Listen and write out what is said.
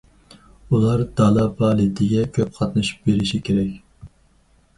ئۇلار دالا پائالىيىتىگە كۆپ قاتنىشىپ بېرىشى كېرەك.